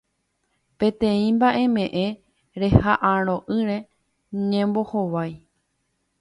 Peteĩ mba'eme'ẽ reha'ãrõ'ỹre ñembohovái